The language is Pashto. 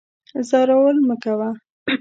ځورول مکوه